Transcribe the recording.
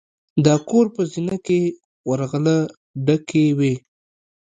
د کور په زینه کې ورغله ډکې وې.